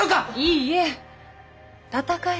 いいえ。